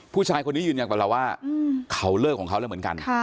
ผู้ชายคนนี้ยืนยันกับเราว่าเขาเลิกของเขาแล้วเหมือนกัน